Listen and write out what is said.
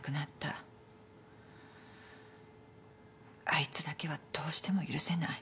あいつだけはどうしても許せない。